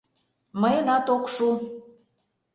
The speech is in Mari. Мыйынат ок шу.